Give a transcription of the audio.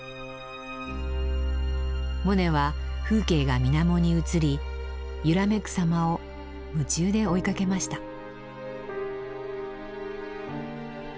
モネは風景が水面に映り揺らめくさまを夢中で追いかけました。